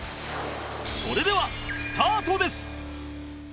それではスタートです